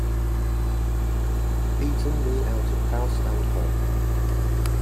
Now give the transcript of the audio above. Eaten me out of house and home